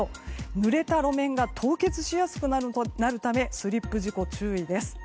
ぬれた路面が凍結しやすくなるためスリップ事故注意です。